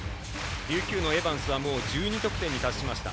琉球のエバンスは１２得点に達しました。